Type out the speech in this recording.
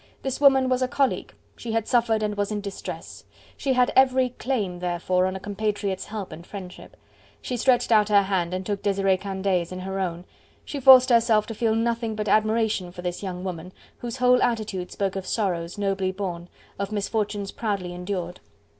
This woman was a colleague: she had suffered and was in distress; she had every claim, therefore, on a compatriot's help and friendship. She stretched out her hand and took Desiree Candeille's in her own; she forced herself to feel nothing but admiration for this young woman, whose whole attitude spoke of sorrows nobly borne, of misfortunes proudly endured.